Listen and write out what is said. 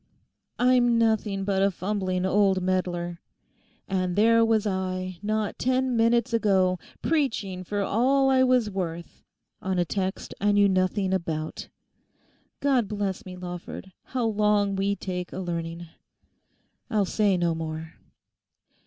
'I'm nothing but a fumbling old meddler. And there was I, not ten minutes ago, preaching for all I was worth on a text I knew nothing about. God bless me, Lawford, how long we take a learning. I'll say no more.